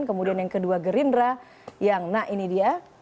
kemudian yang kedua gerindra yang nah ini dia